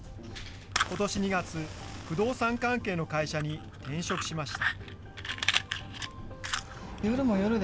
ことし２月、不動産関係の会社に転職しました。